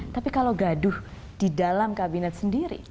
tapi kalau gaduh di dalam kabinet sendiri